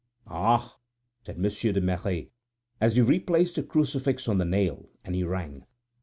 "Ah!" said Monsieur de Merret, as he replaced the crucifix on the nail, and he rang.